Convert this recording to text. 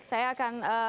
saya akan terkaitkan